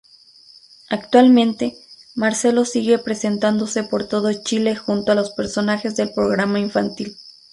Actualmente, Marcelo sigue presentándose por todo Chile junto a los personajes del programa infantil.